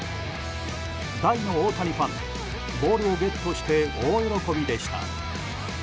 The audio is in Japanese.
大の大谷ファンでボールをゲットして大喜びでした。